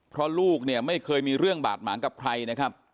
เพราะลูกเนี่ยไม่เคยมีเรื่องบาดหมางกับใครนะครับ